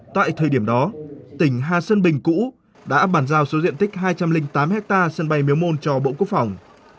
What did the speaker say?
tại thời điểm đó tỉnh hà sơn bình cũ đã bàn giao số diện tích hai trăm linh tám hectare sân bay miếu môn cho bộ quốc phòng